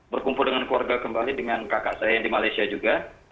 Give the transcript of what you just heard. berkumpul dengan keluarga kembali dengan kakak saya yang di malaysia juga